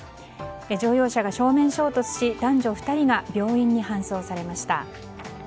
乗用車が正面衝突し、男女２人が病院に搬送されました。